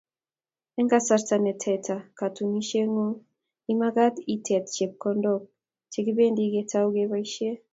Eng kasarta ne tete katunisyeng'ung', imagaat itet chepkondook chekibendi ketou keboisye.